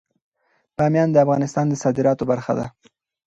بامیان د افغانستان د صادراتو برخه ده.